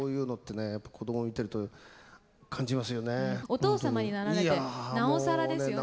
お父様になられてなおさらですよね。